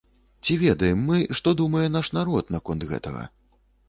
Ці ведаем мы, што думае наш народ наконт гэтага?